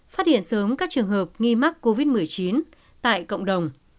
phát hiện sớm các trường hợp nghi mắc covid một mươi chín tại cộng đồng